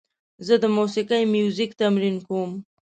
زه د موسیقۍ میوزیک تمرین کوم.